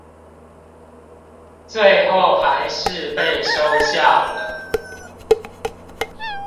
最後還是被收下了